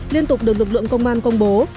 liên tục được lực lượng công an công bố